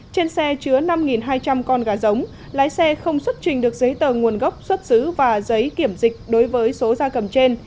trên xe chứa năm hai trăm linh con gà giống lái xe không xuất trình được giấy tờ nguồn gốc xuất xứ và giấy kiểm dịch đối với số gia cầm trên